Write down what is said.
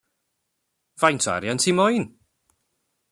Faint o arian ti moyn?